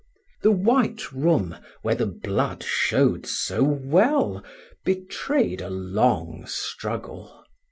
The white room, where the blood showed so well, betrayed a long struggle.